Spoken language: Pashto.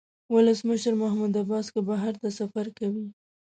ولسمشر محمود عباس که بهر ته سفر کوي.